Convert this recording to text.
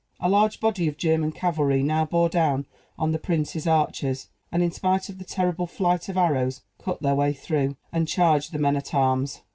A large body of German cavalry now bore down on the prince's archers, and, in spite of the terrible flight of arrows, cut their way through, and charged the men at arms.